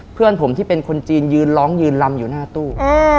เพื่อนผมที่เป็นคนจีนยืนร้องยืนลำอยู่หน้าตู้